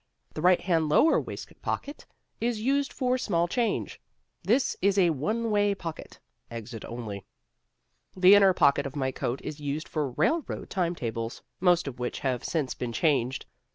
The right hand lower waistcoat pocket is used for small change. This is a one way pocket; exit only. The inner pocket of my coat is used for railroad timetables, most of which have since been changed.